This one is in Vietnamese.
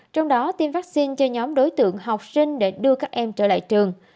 trong đó tiêm vaccine cho nhóm đối tượng học sinh để đưa các em trở lại trường